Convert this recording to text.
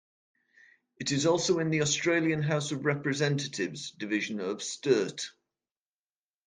It is also in the Australian House of Representatives Division of Sturt.